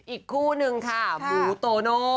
อีกคู่นึงค่ะหมูโตโน่